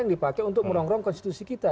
yang dipakai untuk menongrong konstitusi kita